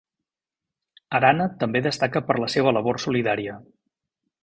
Arana també destaca per la seva labor solidària.